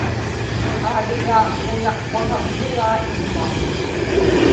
aarigaa, uunaqpaŋakłigaa imma